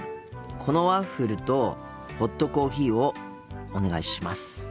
このワッフルとホットコーヒーをお願いします。